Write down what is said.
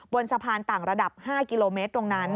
บนสะพานต่างระดับ๕กิโลเมตรตรงนั้น